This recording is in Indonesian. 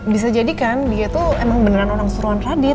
bisa jadi kan dia tuh emang beneran orang seruan radit